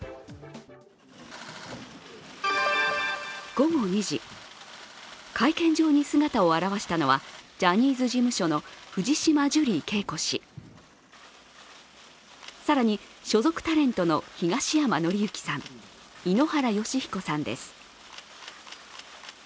午後２時、会見場に姿を現したのはジャニーズ事務所の藤島ジュリー景子氏、更に所属タレントの東山紀之さん、井ノ原快彦さんです。